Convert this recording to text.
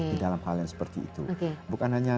di dalam hal yang seperti itu bukan hanya